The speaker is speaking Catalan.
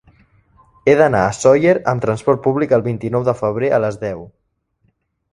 He d'anar a Sóller amb transport públic el vint-i-nou de febrer a les deu.